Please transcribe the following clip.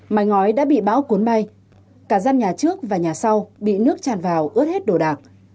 mai ngói đã bị bão cuốn bay cả dân nhà trước và nhà sau bị nước chàn vào ướt hết đồ đạc